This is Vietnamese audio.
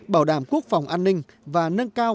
bảo đảm quốc phòng an ninh và nâng cao